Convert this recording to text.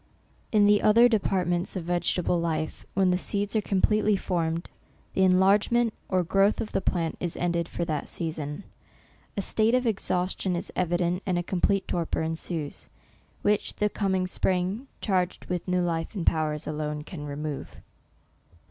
In the other departments of vegetable life, when the seeds are completely formed, the SEPTEMBER. 17? enlargement or growth of the plant is ended for that season ; a state of exhaustion is evi dent, and a complete torpor easues, which the coming spring, charged with new life and powers, alone can remove.